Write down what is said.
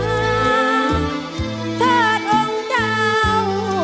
คนไทยรักชาและศาสนาชาติองเจ้าภูทรงเพียงเหนือนาวุ่น